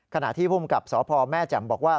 ขณะที่ภูมิกับสพแม่แจ่มบอกว่า